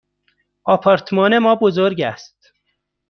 آپارتمان ما بزرگ است.